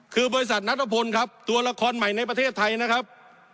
คือบริษัทนัทพลครับตัวละครใหม่ในประเทศไทยนะครับ